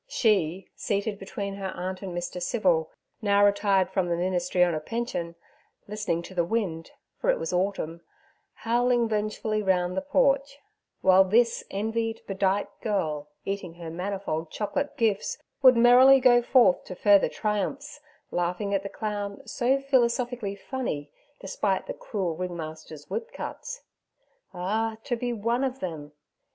She, seated between her aunt and Mr. Civil (now retired from the ministry on a pension), listening to the wind (for it was autumn) howling vengefully round the porch; while this envied, bedight girl eating her manifold chocolate gifts, would merrily go forth to further triumphs, laughing at the clown, so philosophically funny, despite the cruel ringmaster's whip cuts. Ah, to be of them!